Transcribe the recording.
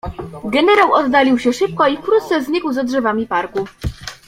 "Generał oddalił się szybko i wkrótce znikł za drzewami parku."